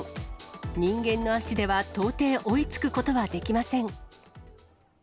人間の足では到底追いつくことはできません。